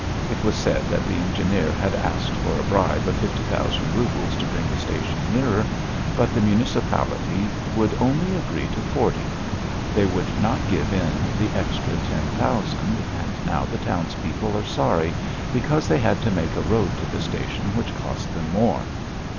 It was said that the engineer had asked for a bribe of fifty thousand roubles to bring the station nearer, but the municipality would only agree to forty; they would not give in to the extra ten thousand, and now the townspeople are sorry because they had to make a road to the station which cost them more.